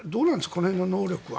この辺の能力は。